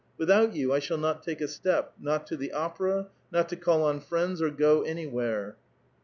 Without you I shall not take a step; not to the opera, not to oall on friends or go anywhere."